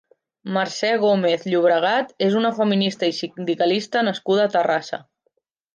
Mercè Gómez Llobregat és una feminista i sindicalista nascuda a Terrassa.